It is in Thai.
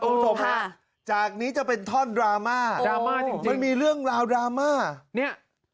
คุณผู้ชมฮะจากนี้จะเป็นท่อนดราม่าดราม่าจริงจริงมันมีเรื่องราวดราม่าเนี่ย